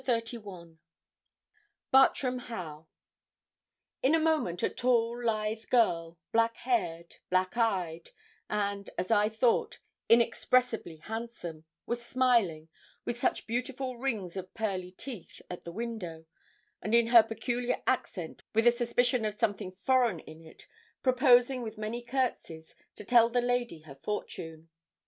CHAPTER XXXI BARTRAM HAUGH In a moment a tall, lithe girl, black haired, black eyed, and, as I thought, inexpressibly handsome, was smiling, with such beautiful rings of pearly teeth, at the window; and in her peculiar accent, with a suspicion of something foreign in it, proposing with many courtesies to tell the lady her fortune.